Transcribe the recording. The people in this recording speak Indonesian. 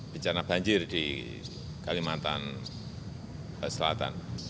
bencana banjir di kalimantan selatan